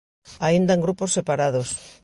Aínda en grupos separados.